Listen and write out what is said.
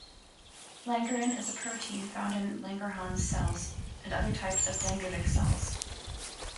Langerin is a protein found in Langerhans cells, and other types of dendritic cells.